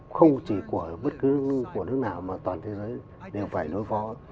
không chỉ của bất cứ của nước nào mà toàn thế giới đều phải đối phó